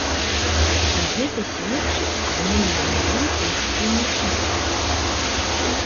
Пра гэта сведчыць абноўлены рэйтынг тэнісістак.